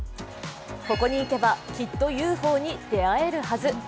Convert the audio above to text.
ここに行けばきっとＵＦＯに出会えるはず。